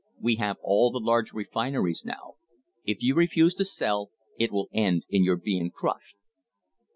We have all the large refineries now. If you refuse to sell, it will end in your being crushed."